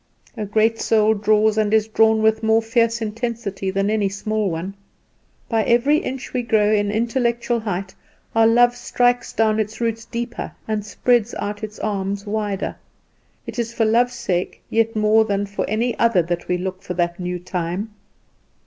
"A great soul draws and is drawn with a more fierce intensity than any small one. By every inch we grow in intellectual height our love strikes down its roots deeper, and spreads out its arms wider. It is for love's sake yet more than for any other that we look for that new time."